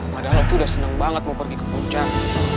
padahal aki udah seneng banget mau pergi ke puncak